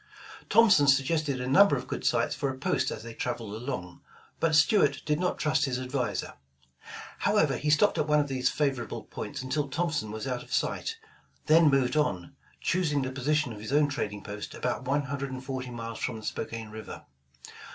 Thompson suggested a number of good sites for a post as they traveled along, but Stuart did not trust his adviser. However, he stopped at one of these favor able points until Thompson was out of sight, then moved on, choosing the position of his own trading post about one hundred and forty miles from the Spokane River.